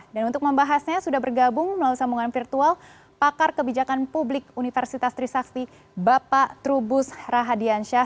untuk membahasnya sudah bergabung melalui sambungan virtual pakar kebijakan publik universitas trisakti bapak trubus rahadiansyah